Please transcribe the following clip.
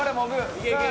いけいけ！